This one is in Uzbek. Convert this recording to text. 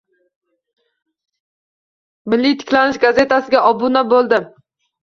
Milliy tiklanish gazetasiga obuna bo'ldim.